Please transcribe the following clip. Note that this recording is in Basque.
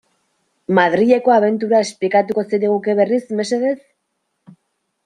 Madrileko abentura esplikatuko zeniguke berriz, mesedez?